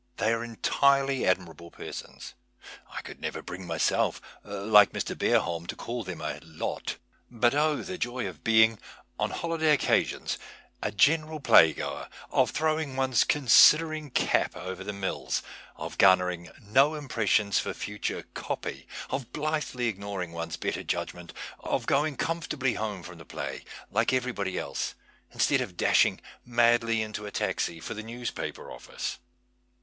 They are entirely admirable persons— I could never bring myself, like Mr. Iker bohm, to call them a lot. But oh ! the joy of being, on holiday occasions, a general j^laygoer, of throwing one's considering cap o\er the mills, of garnering no impressions for future " copy," of blithely ignoring one's better judgment, of going conif()rtal)ly home from the play, like everyl^ody else, instead of dash ing madly into a taxi for the newspaper office